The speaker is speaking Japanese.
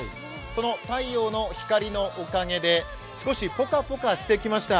その太陽の光のおかげで、少しぽかぽかしてきました。